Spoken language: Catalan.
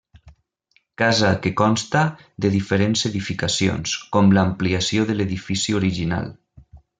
Casa que consta de diferents edificacions, com l'ampliació de l'edifici original.